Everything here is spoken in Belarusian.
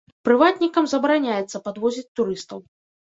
Прыватнікам забараняецца падвозіць турыстаў.